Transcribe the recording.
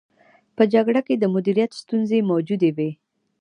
په جګړه کې د مدیریت ستونزې موجودې وې.